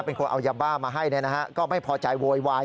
เป็นคนเอายาบ้ามาให้เนี่ยนะฮะก็ไม่พอใจโวยวาย